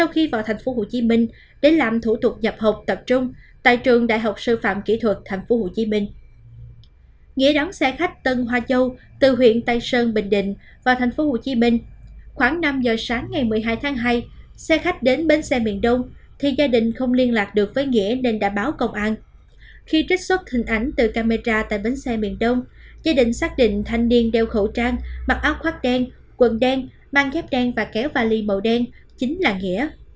khi trích xuất hình ảnh từ camera tại bến xe miền đông gia đình xác định thanh niên đeo khẩu trang mặc áo khoác đen quần đen mang ghép đen và kéo vali màu đen chính là nghĩa